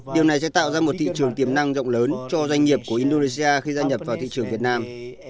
điều này sẽ tạo ra một thị trường tiềm năng rộng lớn cho doanh nghiệp của indonesia khi gia nhập vào thị trường việt nam